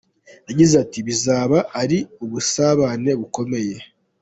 Yagize ati « Bizaba ari ubusabane bukomeye.